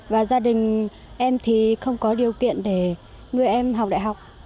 và gia đình em thì không có điều kiện để nuôi em học đại học